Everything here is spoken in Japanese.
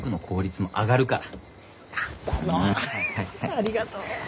ありがとう！